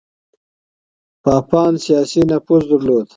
پاپان سياسي نفوذ درلود.